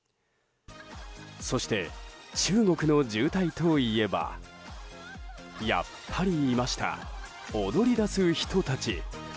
そして、中国の渋滞といえばやっぱりいました踊り出す人たち。